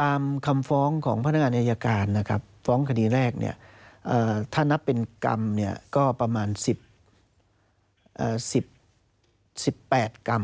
ตามคำฟ้องของพนักงานอายการนะครับฟ้องคดีแรกถ้านับเป็นกรรมก็ประมาณ๑๘กรรม